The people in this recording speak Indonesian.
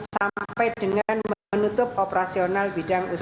sampai dengan menutup operasional bidang usaha